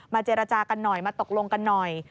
เจรจากันหน่อยมาตกลงกันหน่อย